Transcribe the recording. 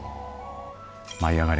舞いあがれ！